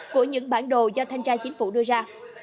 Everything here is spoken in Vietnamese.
của những bản đồ do thanh tra chính phủ đưa ra